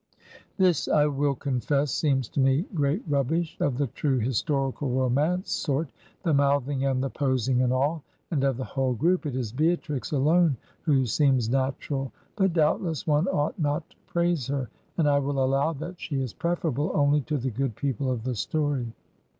This, I will confess, seems to me great rubbish, of the true historical romance sort, the mouthing and the posing and all; and of the whole group it is Beatrix alone who seems natural. But doubtless one ought not to praise her, and I will allow that she is preferable only to the good people of the story.